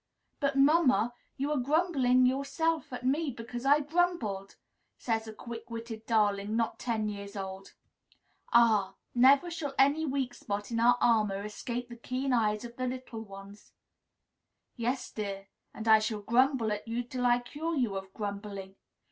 "But, mamma, you are grumbling yourself at me because I grumbled!" says a quick witted darling not ten years old. Ah! never shall any weak spot in our armor escape the keen eyes of these little ones. "Yes, dear! And I shall grumble at you till I cure you of grumbling.